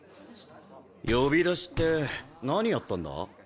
呼び出しって何やったんだ？